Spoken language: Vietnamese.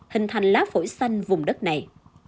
hình thành lá phổi xanh vùng đất này